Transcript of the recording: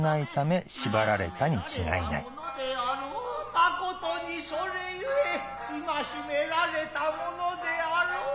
誠にそれゆえ縛められたものであろう。